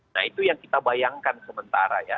nah itu yang kita bayangkan sementara ya